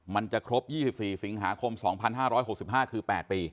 มันจะครบ๒๔สิงหาคม๒๕๖๕คือ๘ปี